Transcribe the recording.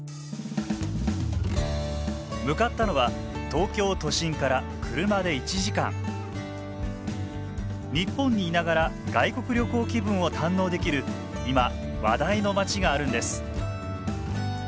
向かったのは東京都心から車で１時間日本にいながら外国旅行気分を堪能できる今話題の街があるんです